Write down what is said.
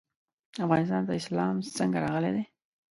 افغانستان ته اسلام څنګه راغلی دی؟